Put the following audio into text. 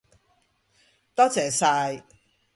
多謝晒